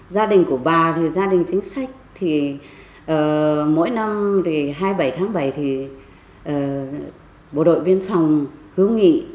gia đình của bà thì gia đình chính sách mỗi năm hai mươi bảy tháng bảy thì bộ đội biên phòng hướng nghị